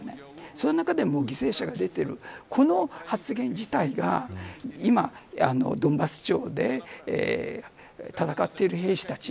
その中でも犠牲者が出ているこの発言自体が今、ドンバス地方で戦っている兵士たち